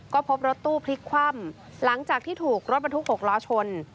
ก็พบรถตู้พลิกคว่ำหลังจากที่ถูกรถบรรทุก๖ล้อชน